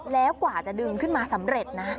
แล้วกว่าจะดึงขึ้นมาสำเร็จนะ